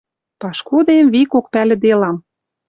Пашкудем викок пӓлӹделам.